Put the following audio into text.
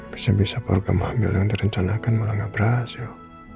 bisa bisa program hamil yang direncanakan malah gak berhasil